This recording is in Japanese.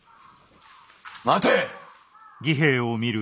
待て！